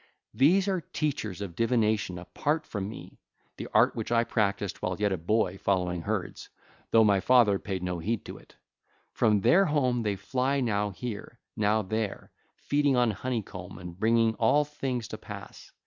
These are teachers of divination apart from me, the art which I practised while yet a boy following herds, though my father paid no heed to it. From their home they fly now here, now there, feeding on honey comb and bringing all things to pass.